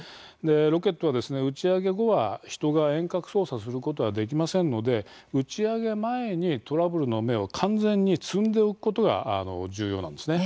ロケットはですね、打ち上げ後は人が遠隔操縦することはできませんので、打ち上げ前にトラブルの芽を完全に摘んでおくことが重要なんですね。